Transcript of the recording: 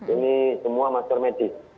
ini semua masker medis